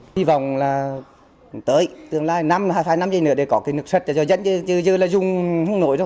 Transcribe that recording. hy vọng là tới tương lai hai năm giây nữa để có cái nước sạch cho dân chứ dư là dùng không nổi đâu